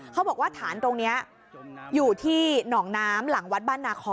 เขาบอกว่าฐานตรงนี้อยู่ที่หนองน้ำหลังวัดบ้านนาคอ